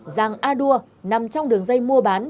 giàng a đua nằm trong đường dây mua bán